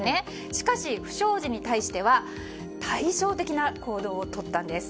しかし、不祥事に対しては対照的な行動をとったんです。